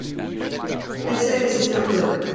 They say this is not good.